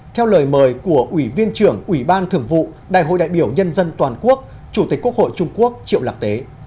theo lời mời của ủy viên trưởng ủy ban thường vụ đại hội đại biểu nhân dân toàn quốc chủ tịch quốc hội trung quốc triệu lạc tế